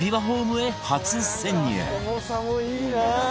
重さもいいな。